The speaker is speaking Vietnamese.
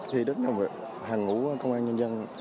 thì đối với hàng ngũ công an nhân dân